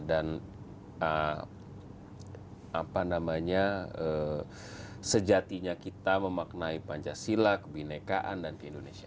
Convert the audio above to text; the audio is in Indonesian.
dan sejatinya kita memaknai pancasila kebenekaan dan indonesia